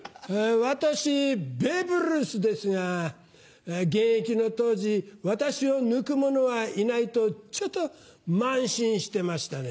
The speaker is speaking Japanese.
私ベーブ・ルースですが現役の当時私を抜く者はいないとちょっと慢心してましたね。